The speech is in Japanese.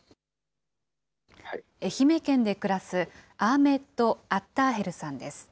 愛媛県で暮らすアーメッド・アッターヘルさんです。